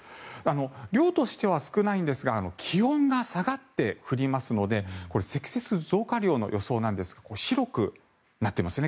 量としては少ないんですが気温が下がって降りますのでこれ積雪増加量の予想なんですが白くなってますね。